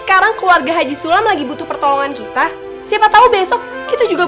kagak ada kesempatan lagi ji